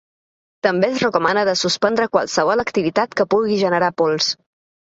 També es recomana de suspendre qualsevol activitat que pugui generar pols.